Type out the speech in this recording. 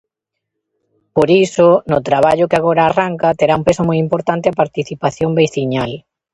Por iso, no traballo que agora arranca terá un peso moi importante a participación veciñal.